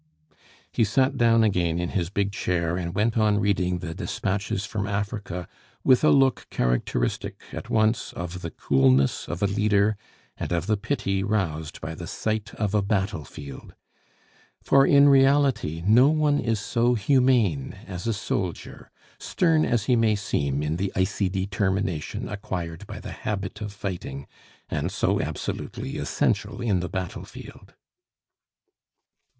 He sat down again in his big chair and went on reading the despatches from Africa with a look characteristic at once of the coolness of a leader and of the pity roused by the sight of a battle field! For in reality no one is so humane as a soldier, stern as he may seem in the icy determination acquired by the habit of fighting, and so absolutely essential in the battle field.